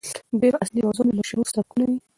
دويمه اصلي موضوع مې مشهورسبکونه دي